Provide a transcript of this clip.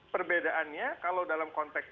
perbedaannya kalau dalam konteks